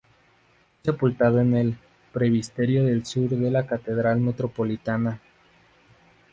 Fue sepultado en el presbiterio sur de la Catedral Metropolitana.